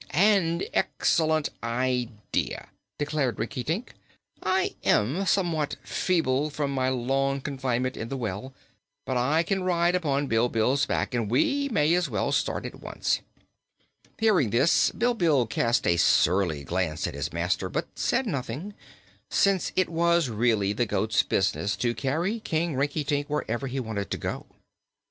"An excellent idea," declared Rinkitink. "I am somewhat feeble from my long confinement in the well, but I can ride upon Bilbil's back and we may as well start at once." Hearing this, Bilbil cast a surly glance at his master but said nothing, since it was really the goat's business to carry King Rinkitink wherever he desired to go.